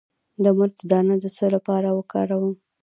د مرچ دانه د څه لپاره وکاروم؟